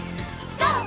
ＧＯ！